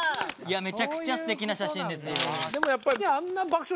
めちゃくちゃすてきな写真ですよ。